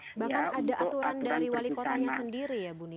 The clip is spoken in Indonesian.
bahkan ada aturan dari wali kotanya sendiri ya bunini